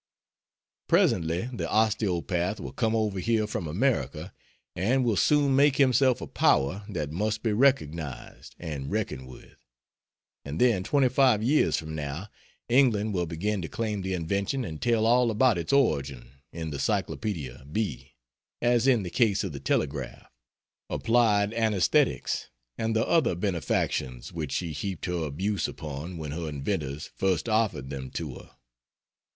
Presently the Osteopath will come over here from America and will soon make himself a power that must be recognized and reckoned with; and then, 25 years from now, England will begin to claim the invention and tell all about its origin, in the Cyclopedia B as in the case of the telegraph, applied anaesthetics and the other benefactions which she heaped her abuse upon when her inventors first offered them to her.